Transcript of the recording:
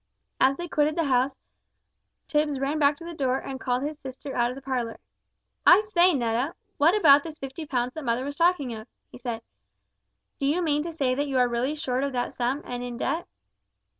As they quitted the house, Tipps ran back to the door and called his sister out of the parlour. "I say, Netta, what about this fifty pounds that mother was talking of?" he said. "Do you mean to say that you are really short of that sum, and in debt?"